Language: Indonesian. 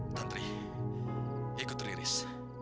tantri ikut riris